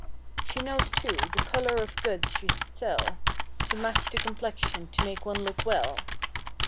She knows, too, the color of goods she should sell To match the complexion to make one look well.